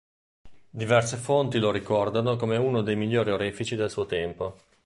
Diverse fonti lo ricordano come uno dei migliori orefici del suo tempo.